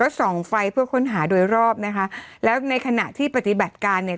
ส่องไฟเพื่อค้นหาโดยรอบนะคะแล้วในขณะที่ปฏิบัติการเนี่ย